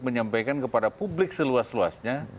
menyampaikan kepada publik seluas luasnya